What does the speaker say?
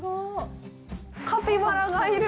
カピバラがいる！